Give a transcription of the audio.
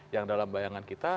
yang dalam bayangan kita